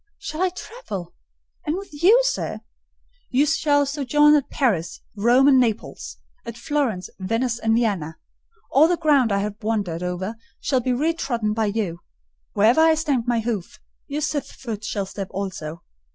"Shall I travel?—and with you, sir?" "You shall sojourn at Paris, Rome, and Naples: at Florence, Venice, and Vienna: all the ground I have wandered over shall be re trodden by you: wherever I stamped my hoof, your sylph's foot shall step also.